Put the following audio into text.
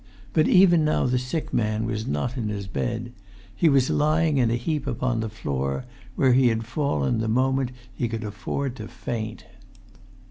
But even now the sick man was not in his bed; he was lying in a heap upon the floor, where he had fallen the moment he could afford to faint.